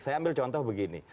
saya ambil contoh begini